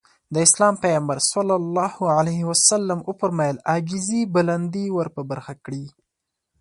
د اسلام پيغمبر ص وفرمايل عاجزي بلندي ورپه برخه کړي.